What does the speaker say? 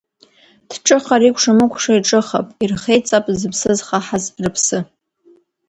Дҿыхар икәшамыкәша ирҿыхап, ирхеиҵап зыԥсы зхаҳаз рыԥсы.